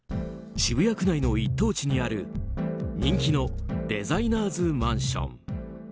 渋谷区内の一等地にある人気のデザイナーズマンション。